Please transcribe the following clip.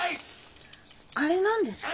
あれ何ですか？